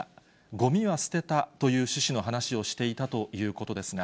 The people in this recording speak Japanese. ごみは捨てたという趣旨の話をしていたということですが。